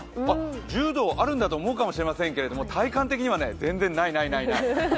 １０度あるんだと思うかもしれませんが体感的には全然ないないないない！